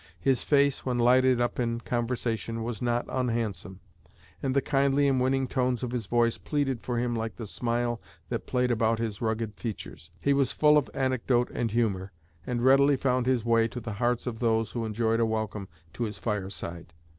His face, when lighted up in conversation, was not unhandsome, and the kindly and winning tones of his voice pleaded for him like the smile that played about his rugged features. He was full of anecdote and humor, and readily found his way to the hearts of those who enjoyed a welcome to his fireside.